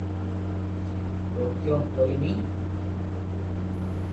روڪيو ڪوئي ني